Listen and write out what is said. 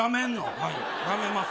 はい、やめます。